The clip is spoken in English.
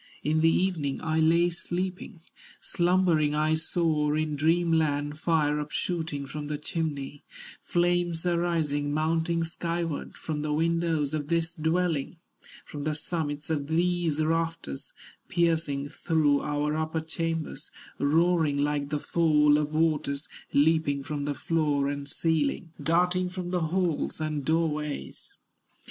In the evening I lay sleeping, Slumbering I saw in dream land Fire upshooting from the chimney, Flames arising, mounting skyward, From the windows of this dwelling, From the summits of these rafters, Piercing through our upper chambers, Roaring like the fall of waters, Leaping from the floor and ceiling, Darting from the halls and doorways."